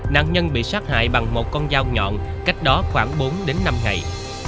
nạn nhân bị sát hại bằng một con dao nhọn cách đó khoảng bốn đến năm ngày